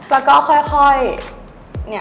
แล้วก็ค่อยเนี่ย